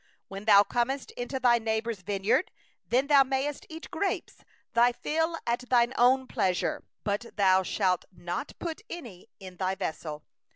25When thou comest into thy neighbour's vineyard, then thou mayest eat grapes until thou have enough at thine own pleasure; but thou shalt not put any in thy vessel.